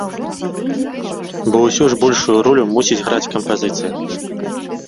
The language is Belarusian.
Бо ўсё ж большую ролю мусіць граць кампазіцыя.